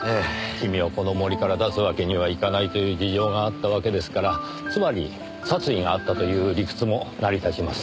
君をこの森から出すわけにはいかないという事情があったわけですからつまり殺意があったという理屈も成り立ちます。